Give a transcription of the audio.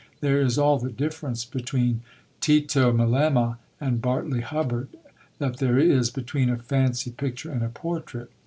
There is all the difference between Tito Melema and Bartley Hubbard that there is between a fancy picture and a portrait.